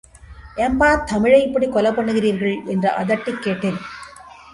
ஏம்பா, தமிழை இப்படிகொலை பண்ணுகிறீர்கள்? என்று அதட்டிக் கேட்டேன்.